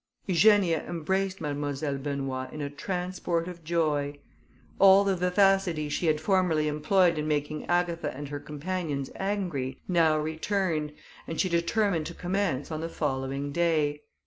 Eugenia embraced Mademoiselle Benoît in a transport of joy. All the vivacity she had formerly employed in making Agatha and her companions angry, now returned, and she determined to commence on the following day.